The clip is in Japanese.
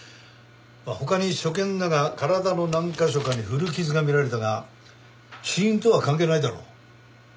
まあ他に所見だが体の何カ所かに古傷が見られたが死因とは関係ないだろう。